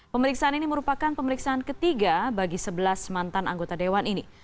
pemeriksaan ini merupakan pemeriksaan ketiga bagi sebelas mantan anggota dewan ini